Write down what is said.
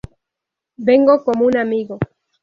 Vengo como un amigo".